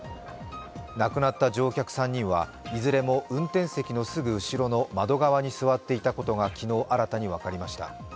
亡くなった乗客３人はいずれも運転席のすぐ後ろの窓側に座っていたことが昨日新たに分かりました。